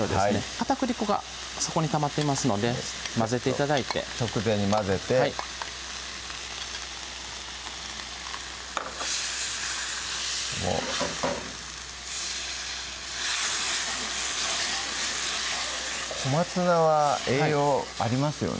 片栗粉が底にたまっていますので混ぜて頂いて直前に混ぜてはい小松菜は栄養ありますよね